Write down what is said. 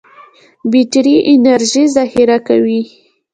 بټري انرژي ذخیره کوي.